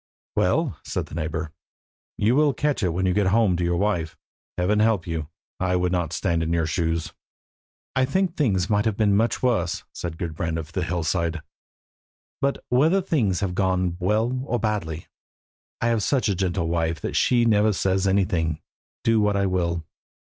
"Well," said the neighbour, "you will catch it when you get home to your wife. Heaven help you! I would not stand in your shoes." "I think things might have been much worse," said Gudbrand of the Hillside; "but whether things have gone well or badly, I have such a gentle wife that she never says anything, do what I will."